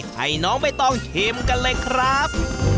ให้น้องใบตองชิมกันเลยครับ